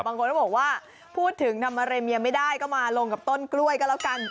บางคนก็บอกว่าพูดถึงทำอะไรเมียไม่ได้ก็มาลงกับต้นกล้วยก็แล้วกัน